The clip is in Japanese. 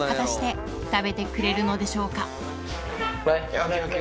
ＯＫＯＫ